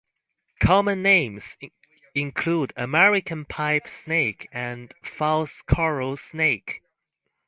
Common names include American pipe snake and false coral snake.